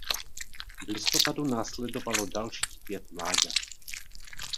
V listopadu následovalo dalších pět mláďat.